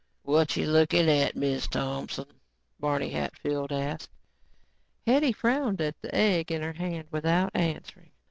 "Whatcha lookin' at, Miz Thompson?" Barney Hatfield asked. Hetty frowned at the egg in her hand without answering.